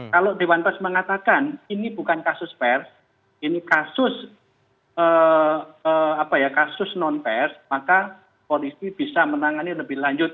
kalau dewan pers mengatakan ini bukan kasus pers ini kasus non pers maka polisi bisa menangani lebih lanjut